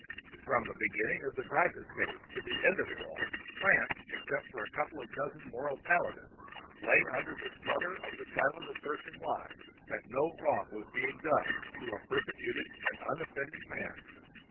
From the beginning of the Dreyfus case to the end of it all France, except a couple of dozen moral paladins, lay under the smother of the silent assertion lie that no wrong was being done to a persecuted and unoffending man.